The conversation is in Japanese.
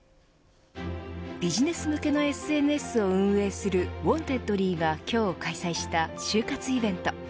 ビジネス向けのＳＮＳを運営するウォンテッドリーが今日開催した就活イベント。